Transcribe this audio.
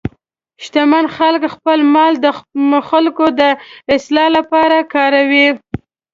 شتمن خلک خپل مال د خلکو د اصلاح لپاره کاروي.